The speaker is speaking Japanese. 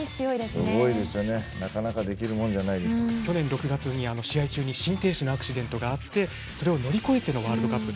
なかなか出来ることじゃ去年６月に試合中に心停止のアクシデントがあってそれを乗り越えてのワールドカップ。